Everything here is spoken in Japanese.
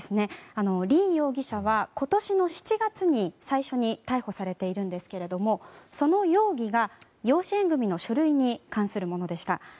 凜容疑者は、今年の７月に最初に逮捕されているんですがその容疑が養子縁組の書類に関するものでした。